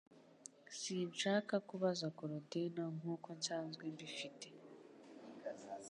Sinshaka kubabaza Korodina nkuko nsanzwe mbifite